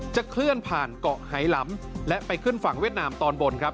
เคลื่อนผ่านเกาะไฮลำและไปขึ้นฝั่งเวียดนามตอนบนครับ